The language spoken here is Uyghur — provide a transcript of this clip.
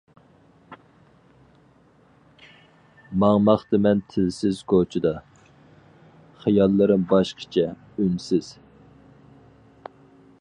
ماڭماقتىمەن تىلسىز كوچىدا، خىياللىرىم باشقىچە، ئۈنسىز.